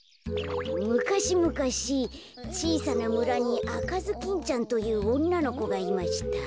むかしむかしちいさなむらにあかずきんちゃんというおんなのこがいました。